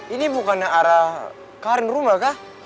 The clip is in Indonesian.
ini bukannya arah karin rumah kah